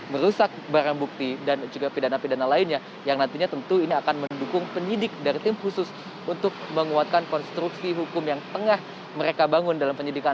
merusak barang bukti dan juga pidana pidana lainnya yang nantinya tentu ini akan mendukung penyidik dari tim khusus untuk menguatkan konstruksi hukum yang tengah mereka bangun dalam penyidikan